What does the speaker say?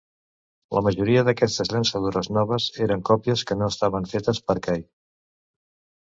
La majoria d'aquestes llançadores noves eren còpies que no estaven fetes per Kay.